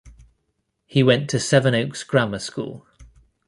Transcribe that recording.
He went to Sevenoaks Grammar School.